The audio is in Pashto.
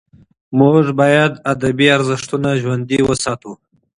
موږ باید خپل ادبي ارزښتونه ژوندي وساتو.